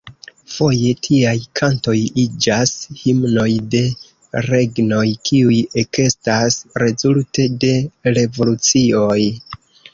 Foje tiaj kantoj iĝas himnoj de regnoj, kiuj ekestas rezulte de revolucioj.